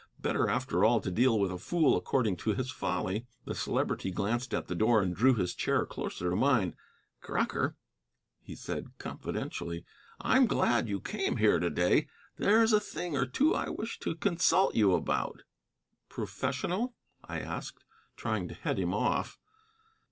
Better, after all, to deal with a fool according to his folly. The Celebrity glanced at the door and drew his chair closer to mine. "Crocker," he said confidentially, "I'm glad you came here to day. There is a thing or two I wished to consult you about." "Professional?" I asked, trying to head him off.